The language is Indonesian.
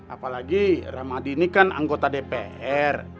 apalagi ramadi ini kan anggota dpr